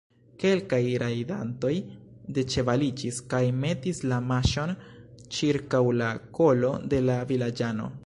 Kelkaj rajdantoj deĉevaliĝis kaj metis la maŝon ĉirkaŭ la kolo de la vilaĝano.